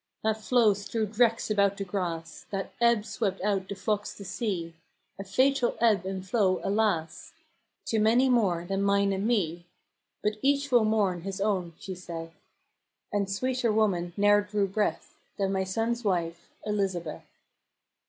That flow strewed wrecks about the grass, That ebbe swept out the flocks to sea; A fatal ebbe and flow, alas! To manye more than myne and me; But each will mourn his own (she saith.) And sweeter woman ne'er drew breath Than my sonne's wife Elizabeth.